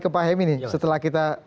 ke pak hemi nih setelah kita